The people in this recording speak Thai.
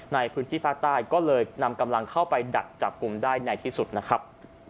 ในพื้นที่ภาคใต้ก็เลยนำกำลังเข้าไปดักจับกลุ่มได้ในที่สุดนะครับ